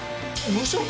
無職！？